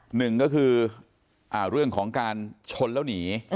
หนึ่งก็คือเรื่องของการชนแล้วหนี